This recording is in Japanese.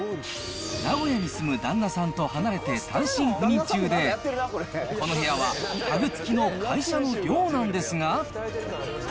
名古屋に住む旦那さんと離れて単身赴任中で、この部屋は家具付きの会社の寮なんですが。